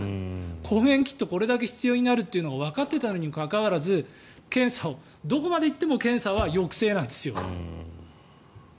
抗原キットがこれだけ必要になるというのがわかっていたにもかかわらずどこまで行っても検査は抑制なんですよ。